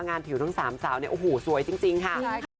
งานผิวทั้งสามสาวเนี่ยโอ้โหสวยจริงค่ะใช่ค่ะ